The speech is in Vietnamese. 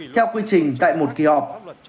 theo quy trình tại một kỳ họp